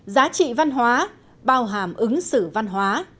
giá trị văn hóa bao hàm ứng xử văn hóa